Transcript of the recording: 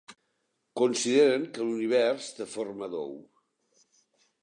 Consideren que l'univers té forma d'ou.